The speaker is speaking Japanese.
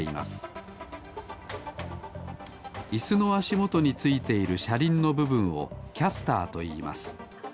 イスのあしもとについているしゃりんのぶぶんをキャスターといいます。